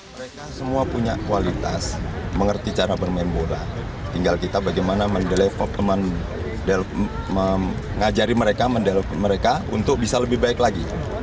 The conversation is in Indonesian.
mereka semua punya kualitas mengerti cara bermain bola tinggal kita bagaimana mengajari mereka untuk bisa lebih baik lagi